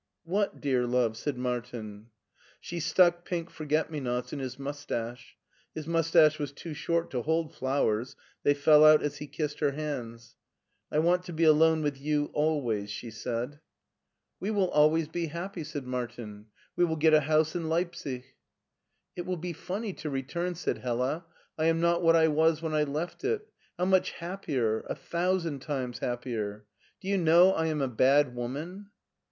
" What, dear love? " said Martin. She stuck pink forget me nots in his mustache. His mustache was too short to hold flowers. They fell out as he kissed her hands. '* I want to be alone with you always," she said. «t it it ISO MARTIN SCHULER We wUl always be happy/' said Martin; "wc will get a house in Leipsic" " It will be funny to return/' said Hella ;" I am not what I was when I left it; how much happier, a thou sand times happier! Do you know I am a bad woman?"